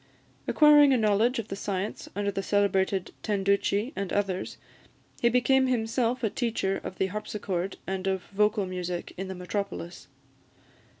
Acquiring a knowledge of the science under the celebrated Tenducci and others, he became himself a teacher of the harpsichord and of vocal music, in the metropolis.